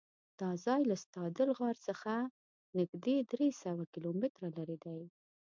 دا ځای له ستادل غار څخه نږدې درېسوه کیلومتره لرې دی.